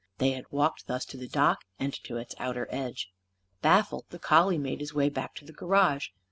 They had walked thus to the dock and to its outer edge. Baffled, the collie made his way back to the garage.